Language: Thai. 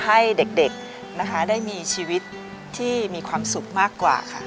ให้เด็กนะคะได้มีชีวิตที่มีความสุขมากกว่าค่ะ